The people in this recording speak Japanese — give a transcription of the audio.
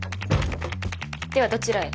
ではどちらへ？